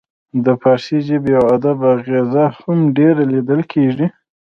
د فارسي ژبې او ادب اغیزه هم ډیره لیدل کیږي